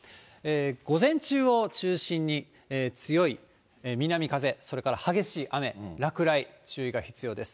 午前中を中心に強い南風、それから激しい雨、落雷、注意が必要です。